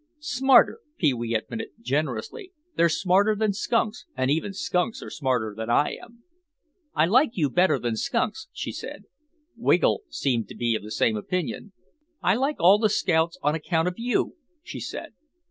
"Smarter," Pee wee admitted, generously; "they're smarter than skunks and even skunks are smarter than I am." "I like you better than skunks," she said. Wiggle seemed to be of the same opinion. "I like all the scouts on account of you," she said.